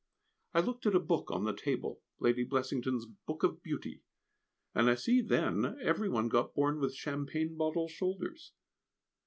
I looked at a book on the table, Lady Blessington's "Book of Beauty," and I see then every one got born with champagne bottle shoulders.